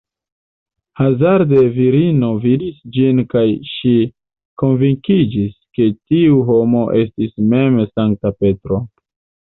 Hazarde virino vidis ĝin kaj ŝi konvinkiĝis, ke tiu homo estis mem Sankta Petro.